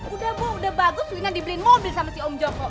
udah bagus wina dibeliin mobil sama si om joko